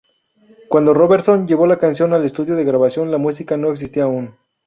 Cuando Robertson llevó la canción al estudio de grabación, la música no existía aún.